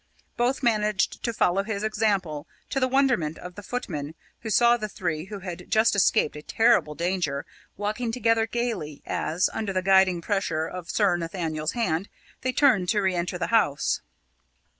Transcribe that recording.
Both managed to follow his example, to the wonderment of the footmen, who saw the three who had just escaped a terrible danger walking together gaily, as, under the guiding pressure of Sir Nathaniel's hand, they turned to re enter the house.